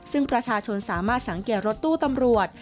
ซึ่งประชาชนสามารถสังเกตรถตู้ตำรวจ